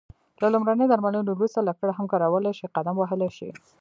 له لمرینې درملنې وروسته لکړه هم کارولای شې، قدم وهلای شې.